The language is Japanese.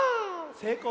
せいこう。